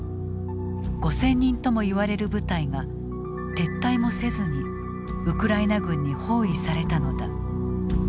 ５，０００人ともいわれる部隊が撤退もせずにウクライナ軍に包囲されたのだ。